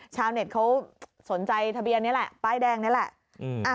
ชาวเน็ตเขาสนใจทะเบียนนี้แหละป้ายแดงนี่แหละ